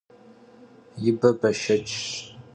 Yibe beşşeçş.